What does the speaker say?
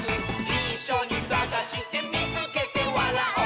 「いっしょにさがしてみつけてわらおう！」